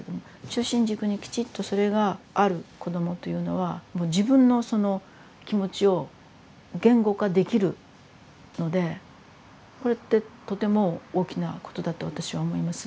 中心軸にきちっとそれがある子どもというのは自分のその気持ちを言語化できるのでこれってとても大きなことだと私は思います。